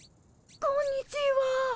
こんにちは。